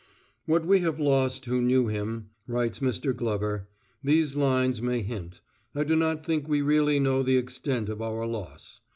"What we have lost who knew him," writes Mr. Glover, "these lines may hint I do not think we really know the extent of our loss.